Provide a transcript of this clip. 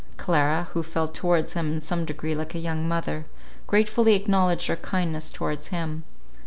Clara, who felt towards him in some degree like a young mother, gratefully acknowledged our kindness towards him.